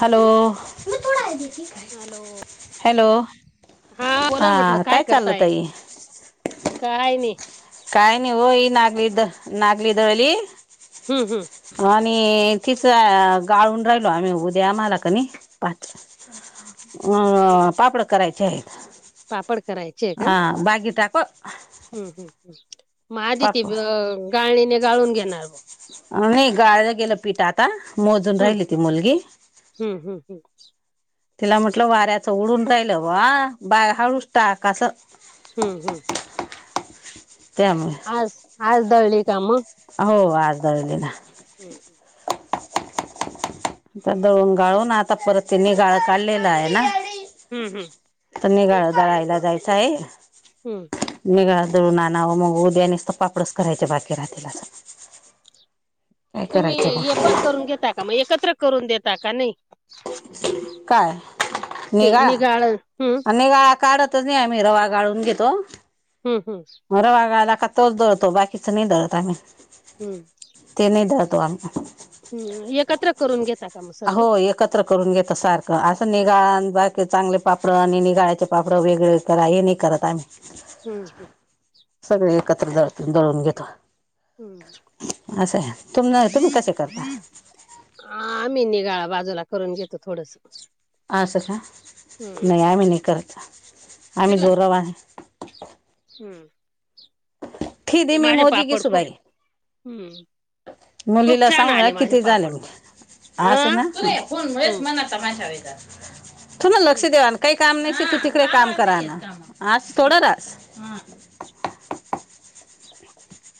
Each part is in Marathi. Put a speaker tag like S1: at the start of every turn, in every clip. S1: हॅलो!
S2: हॅलो
S1: हॅलो
S2: बोला म्हटलं
S1: हा काय चालल
S2: करताय
S1: ताई!
S2: काय नही!
S1: काय नाही हो ही नागली द नागली दळली.
S2: हूं हूं!
S1: आणि तिच गाळून राहिलो आम्ही, ऊद्या आम्हाला कणी पाच अं पापडं करायचे आहेत?
S2: पापड
S1: हा बागे टाक ओ!
S2: हूं हूं हूं म आधीती ते गाळणीने गाळून घेणार मं.
S1: नही, गाळल गेलं पिठ आता. मोजून राहिली ती मुलगी.
S2: हूं हूं हूं!
S1: तिला म्हटलं वाऱ्याचं ऊडून राहिलं बा, बा हळूस टाक आस.
S2: हूं हूं!
S1: त्यामुळे!
S2: आज दळली का मं.
S1: हो आज दळली ना!
S2: होईल ते!
S1: दळून गाळून, आता परत ते नीगाळ काढलेला आहे ना!
S2: हूं हूं!
S1: त निगाळा दळायला जायचं आहे.
S2: हूं!
S1: निगळा दळून आणावं, म उद्या नीसत पापडच करायचे बाकीे राहतील आता.
S2: तुम्ही हे
S1: मग
S2: पण करून घेता का, म एकत्र करून देता का नही!
S1: काय?
S2: ते निगाळ
S1: निगाळा
S2: हूं!
S1: निगाळा काढतच नाही आम्ही रवा गाळून घेतो.
S2: हूं हूं!
S1: मं रवा गाळला का तोच दळतो, बाकीच नही दळत आम्ही.
S2: हूं!
S1: ते नही दळतो आमी.
S2: हम, एकत्र करून घेता मग सर्व.
S1: हो एकत्र करून घेता सारखं, असं निगाळ बाकी चांगले पापड आणि निगाळायाचे पापड वेगळे तवा ये नाही करत आमी.
S2: हम, हम.
S1: सगळे एकत्र जातोन दळून घेतो.
S2: हम्म
S1: असं हय. तुम तुम्ही कसे करता?
S2: आम्ही निगाळा बाजूला करून घेतो थोडसं.
S1: असं का? नाही आम्ही नाही करत. आम्ही
S2: हम्म
S1: गोरव
S2: [unintelligible]
S1: खिदी में
S2: माझे
S1: मोदी की
S2: पापड खूप
S1: शुबाई.
S2: हम्म खूप
S1: मुलीला
S2: छान
S1: सांगा
S2: आले माझे
S1: किती झाले
S2: पापड पण
S1: [unintelligible] असं
S2: अं
S1: ना. [unintelligible]
S2: हम्म
S1: तमाशा वेगळा. तुम्हा लक्ष देवा ना, काही काम नाही, तू तिकडे काम करा ना. आज थोडा रास. [unintelligible]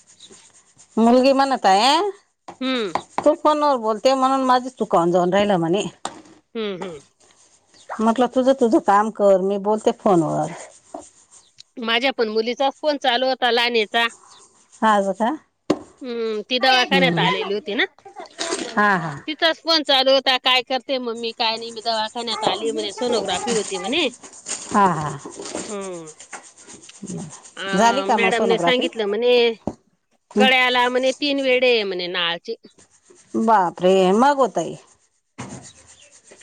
S2: [inaudible]
S1: मुलगी म्हण आता आहे
S2: हम
S1: तू फोनवर बोलते म्हणून माझे चुका होन जाऊन राहिला म्हणे.
S2: हम्म हम्म.
S1: म्हटलं तुझं, तुझं काम कर. मी बोलते फोनवर.
S2: माझ्या पण मुलीचाच फोन चालू होता लहानीचा.
S1: ताजं का?
S2: हम्म, ती दवाखान्यात
S1: हम्म.
S2: आलेली होती ना?
S1: हा हा
S2: तिथंच. फोन चालू होता. काय करते मम्मी? काय नाही. मी दवाखान्यात जाऊन येतो बघून आली म्हणे, सोनोग्राफी होती म्हणे.
S1: हा हा
S2: हम्म. अ
S1: झाली का मग
S2: मॅडमने
S1: सोनोग्राफी
S2: सांगितलं म्हणे गळ्याला म्हणे, तीन वेडे म्हणे नाळची.
S1: बापरे! मग वो ताई?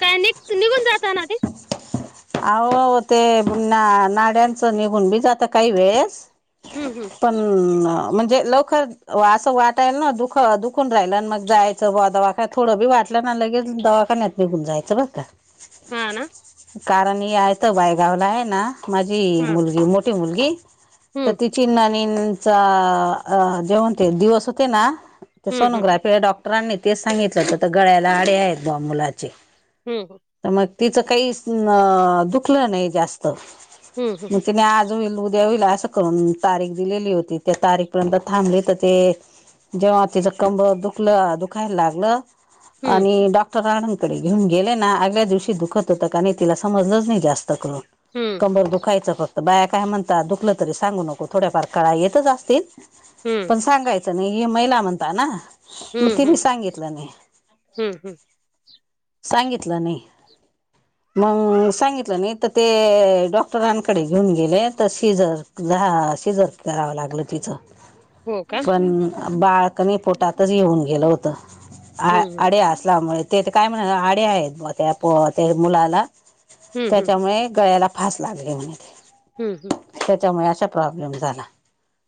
S2: काय निप निघून जाताना ते.
S1: आवो, आवो ते नाड्यांचं निघून बी जात काही वेळेस.
S2: हम्म हम्म
S1: पण म्हणजे लक असं वाटायला ना दुख दुखून राहिलं, मग जायचं बुवा दवाखान्यात थोडं बी वाटलं ना लगेच दवा, कण्यात निघून जायचं बरं का.
S2: हां ना.
S1: कारण याय तर बायगावला हायना माझी
S2: हा
S1: मुलगी मोठी मुलगी तर
S2: हम्म
S1: तिची नंणीदचा [unintelligible] दिवस होते ना ते
S2: हम्म
S1: सोनोग्राफी डॉक्टरांनी तेच सांगितलं होतं तर गळ्याला आडे आहेत बा मुलाचे.
S2: हम हम.
S1: तर मग तिचं काहीच दुखलं नाही जास्त-
S2: हम, हम.
S1: मग तिने आज होईल उद्या होईल असं करून तारीख दिलेली होती, त्या तारीख पर्यंत थांबली तर ते जेव्हा तिचं कंबर दुखलं दुखायला लागलं
S2: हम्म
S1: आणि डॉक्टरकडे घेऊन गेले ना आदल्या दिवशी दुखत होतं. नाही तिला समजलंच नाही जास्त करून.
S2: हम्म.
S1: कंबर दुखायचं फक्त बाया काय म्हणतात दुखल तरी सांगू नको थोड्याफार कळा येतच असतील.
S2: हम्म.
S1: हे सांगायचं नाही, हे महिला म्हणता ना. मग
S2: हम्म
S1: तिने
S2: हम्म
S1: सांगितलं नाही
S2: हम्म हम्म.
S1: सांगितलं नाही.
S2: [inaudible]
S1: मग सांगितलं नाही तर ते, डॉक्टरांनकडे घेऊन गेले तर सिजर धा. सिजर करावं लागलं तिच.
S2: [inaudible]
S1: पण बाळ कणी, पोटातच हे होऊन गेलं होतं. आ
S2: हम्म
S1: अड्या असल्यामुळे ते, काय म्हणा अड्या आहेत ब त्या ते मुलाला.
S2: हम्म हम्म
S1: त्यांच्यामुळे गळ्याला फास लागले म्हणे.
S2: हम् हम्म.
S1: त्यांच्यामुळे अशा प्रॉब्लेम झाला.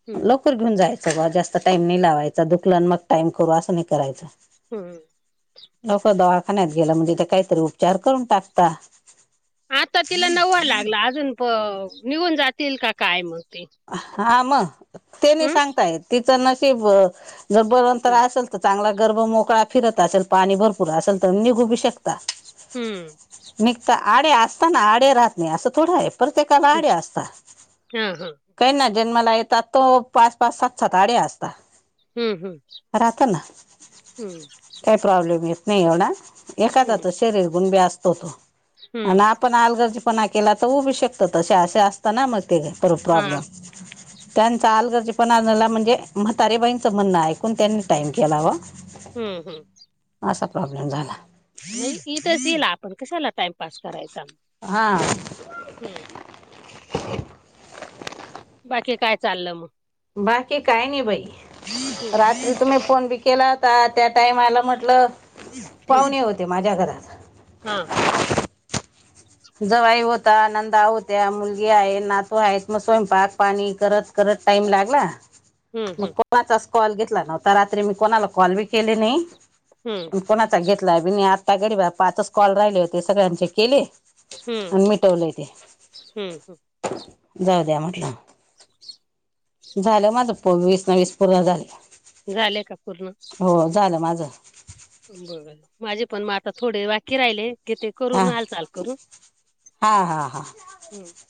S2: हम्म
S1: लोक घेऊन जायचं बा जास्त टाइम नाही लावायचा, दुखलन मग टाइम करू असं नाही करायचा.
S2: हम.
S1: लोक दवाखान्यात गेलं म्हणजे, तर काय तरी उपचार करून टाकता.
S2: आता तिला नव्वा लागला. अजून प निघून जातील का काय मग ते.
S1: हां मग, ते नाही
S2: हम्म
S1: सांगता येत तिचं नशीब जर बळवंतर
S2: हम्म
S1: असेल तर चांगला गर्भ मोकळा फिरत असेल, पाणी भरपूर असेल तर निघू बी शकत.
S2: हम्म
S1: निघता आडे असताना, आडे राहत नाही असं थोडं आहे. प्रत्येकाला आडी अस्ता.
S2: हा हा.
S1: काही ना जन्माला येतात तो, पाच पाच सात सात आडे असता.
S2: हम्म हम्म
S1: राहता ना,
S2: हम्म
S1: काही प्रॉब्लेम येत नाही एवढा. एखादा
S2: हम्म
S1: त शरीर गुणबी असतो तो, आणि
S2: हम्म
S1: आपण आलर्गजी. पणा केला तर होवू बी शकत तसं असे, असता ना मग ते बी
S2: हा
S1: प्रोब्लेम त्यानं चाल गरजे पणा म्हणजे म, म्हातारी बाईंचं म्हण ऐकून त्यांनी टाईम केला ओ.
S2: हम्म हम्म.
S1: असा प्रॉब्लेम झाला.
S2: नाही इथं दिला, आपण कशाला टाइमपास करायचा.
S1: हां.
S2: हं. बाकी कायं चालं मग.
S1: बाकी काय नाही बाई,
S2: हम्म
S1: रात्रीच मग फोन बि केला होता त्या टाइमाला म्हटलं, पाहुणे होते माझ्या घरात.
S2: हां हां.
S1: जावाई होता, नंदा होत्या, मुलगी आहे, नातू आहेत मग स्वयंपाक पाणी करत. करत टाईम लागला.
S2: [inaudible]
S1: मग कोणाचाच कॉल घेतला नव्हता, रात्री मी कोणाला कॉल बी केले नाही.
S2: हम्म.
S1: पण कोणाचा घेतला बी नाही, आता गरी माझे पाचच कॉल राहिले होते सगळ्यांचे केले. आणि
S2: हम्म
S1: मिटवलंय तेे,
S2: हम्म
S1: जाऊ द्या म्हटलं. झालं माझं प वीस ना वीस पूर्ण झाले,
S2: झाले का पूर्ण
S1: हो झालं माझं.
S2: माझे पण म आता थोडे बाकी राहिले. की ते
S1: हा
S2: करून हालचाल करू
S1: हा हा हा,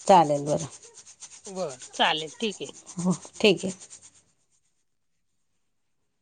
S1: चालेल बरं.
S2: बरं चालेल ठीक आहे.
S1: हो, ठीक आहे.